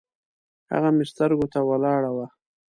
هغه مې سترګو ته ولاړه وه